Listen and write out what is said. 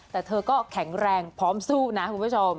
แต่เธอก็แข็งแรงพร้อมสู้นะคุณผู้ชม